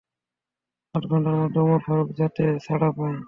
আধঘণ্টার মধ্যে ওমর ফারুক যাতে ছাড়া পায়।